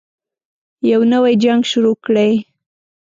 يو نـوی جـنګ شروع كړئ.